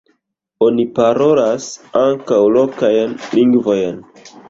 Oni parolas ankaŭ lokajn lingvojn.